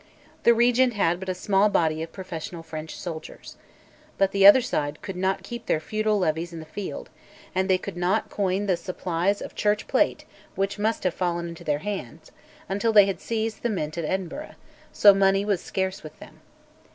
The Regent had but a small body of professional French soldiers. But the other side could not keep their feudal levies in the field, and they could not coin the supplies of church plate which must have fallen into their hands, until they had seized the Mint at Edinburgh, so money was scarce with them.